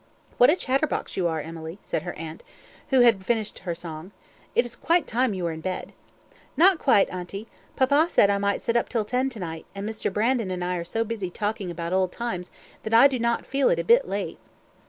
"What a chatterbox you are, Emily," said her aunt, who had finished her song. "It is quite time you were in bed." "Not quite, auntie; papa said I might sit up till ten tonight; and Mr. Brandon and I are so busy talking about old times, that I do not feel it a bit late."